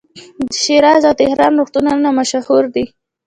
د شیراز او تهران روغتونونه مشهور دي.